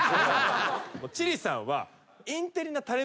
千里さんは。